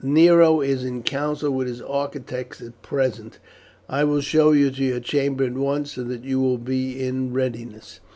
"Nero is in council with his architects at present. I will show you to your chamber at once, so that you will be in readiness."